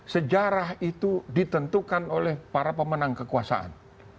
sejarah itu ditentukan oleh para pemenang kekuasaan